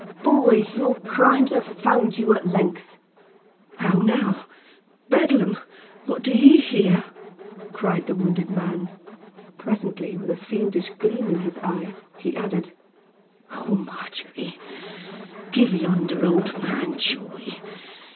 boy your crimes have found you at length!" "How now, beldam! What do ye here?" cried the wounded man. Presently, with a fiendish gleam in his eye, he added: "Oh, Margery, give yonder old man joy!